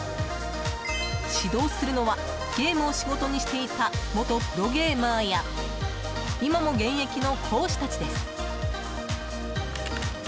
指導するのはゲームを仕事にしていた元プロゲーマーや今も現役の講師たちです。